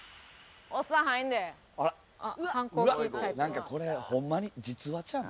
なんかこれホンマに実話ちゃうん？